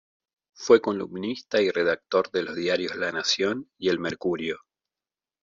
Fue columnista y redactor de los diarios "La Nación" y "El Mercurio".